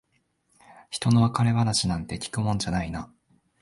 ひとの別れ話なんて聞くもんじゃないな。